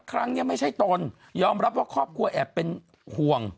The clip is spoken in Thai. ครั้งนี้ไม่ใช่ตนยอมรับว่าครอบครัวแอบเป็นห่วง